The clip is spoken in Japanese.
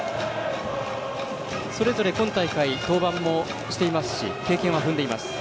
それぞれ今大会登板もしていますし経験は踏んでいます。